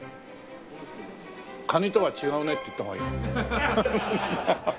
蟹とは違うねって言った方がいい？